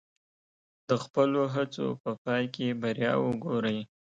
د خپلو هڅو په پای کې بریا وګورئ.